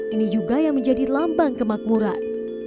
ini juga yang menjadi lambang kemakmuran